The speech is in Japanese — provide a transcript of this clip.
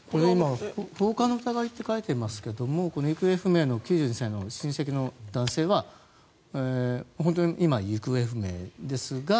放火の疑いと書いていますけど行方不明の９２歳の親戚の男性は本当に今、行方不明ですが。